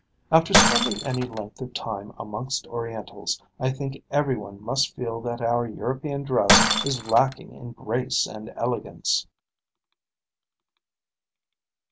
After spending any length of time amongst Orientals, I think every one must feel that our European dress is lacking in grace and elegance.